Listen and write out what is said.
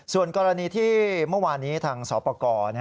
ส่วนกรณีที่เมื่อวานนี้ทางสปกร